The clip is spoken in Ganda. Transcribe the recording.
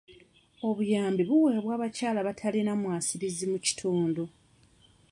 Obuyambi buweebwa abakyala abatalina mwasirizi mu kitundu.